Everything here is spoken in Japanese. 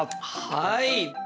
はい！